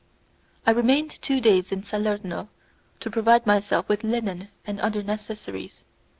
I remained two days in Salerno to provide myself with linen and other necessaries.